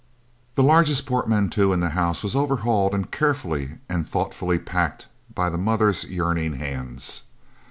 The largest portmanteau in the house was overhauled and carefully and thoughtfully packed by the mother's yearning hands.